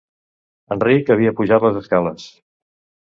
Enric havia pujat les escales.